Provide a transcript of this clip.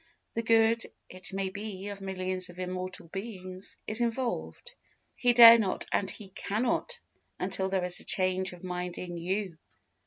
The good, it may be, of millions of immortal beings, is involved. He dare not, and He cannot, until there is a change of mind _in you.